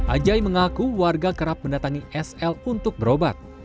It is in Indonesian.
ajai mengaku warga kerap mendatangi sl untuk berobat